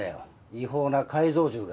違法な改造銃が。